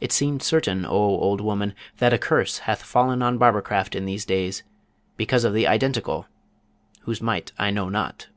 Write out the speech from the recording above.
It seemeth certain, O old woman, that a curse hath fallen on barbercraft in these days, because of the Identical, whose might I know not.